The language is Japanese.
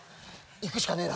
行くしかねえな。